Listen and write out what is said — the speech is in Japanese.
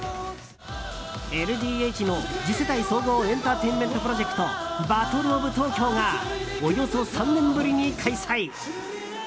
ＬＤＨの次世代総合エンターテインメントプロジェクト「ＢＡＴＴＬＥＯＦＴＯＫＹＯ」がおよそ３年ぶりに開催。